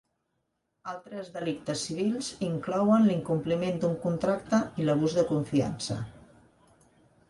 Altres delictes civils inclouen l'incompliment d'un contracte i l'abús de confiança.